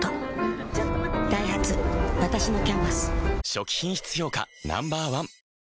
初期品質評価Ｎｏ．１